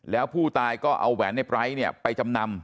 แล้วผู้ตายก็เอาแหวนในไปรท์เนี่ยไปจำนำ